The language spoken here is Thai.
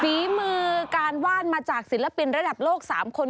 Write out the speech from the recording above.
ฝีมือการว่านมาจากศิลปินระดับโลก๓คน